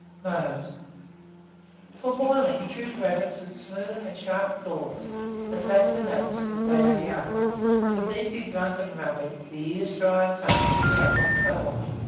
Mode. For boiling, choose rabbits with smooth and sharp claws, as that denotes they are young: should these be blunt and rugged, the ears dry and tough, the animal is old.